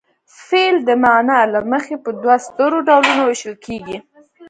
فعل د معنا له مخې په دوو سترو ډولونو ویشل کیږي.